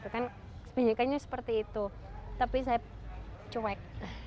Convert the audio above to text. mereka kan sebanyakan seperti itu tapi saya cuek